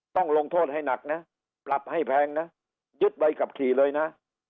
ต้องลงโทษให้หนักนะปรับให้แพงนะยึดใบขับขี่เลยนะ